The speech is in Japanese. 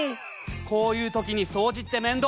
こういう時に掃除って面倒。